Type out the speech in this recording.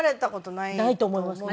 ないと思いますけど。